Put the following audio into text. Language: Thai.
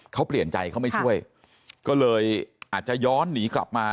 เขาเปลี่ยนใจเขาไม่ช่วยก็เลยอาจจะย้อนหนีกลับมา